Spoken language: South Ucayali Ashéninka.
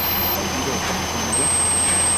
Irotaki konoya